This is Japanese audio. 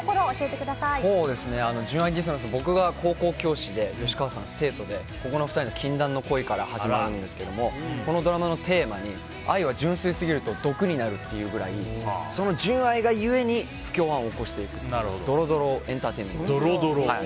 僕が高校教師で吉川さんが生徒でここの２人の禁断の恋から始まるんですけどこのドラマのテーマに愛は純粋すぎると毒になるっていうくらいその純愛が故に不協和音を起こしていくというドロドロエンターテインメントです。